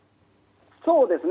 そうですね。